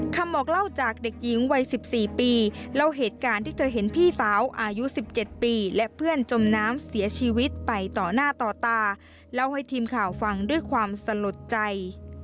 บอกเล่าจากเด็กหญิงวัย๑๔ปีเล่าเหตุการณ์ที่เธอเห็นพี่สาวอายุ๑๗ปีและเพื่อนจมน้ำเสียชีวิตไปต่อหน้าต่อตาเล่าให้ทีมข่าวฟังด้วยความสลดใจ